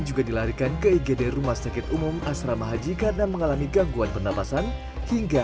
juga dilarikan ke igd rumah sakit umum asrama haji karena mengalami gangguan pernapasan hingga